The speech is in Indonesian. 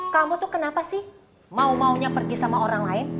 kamu tuh kenapa sih mau maunya pergi sama orang lain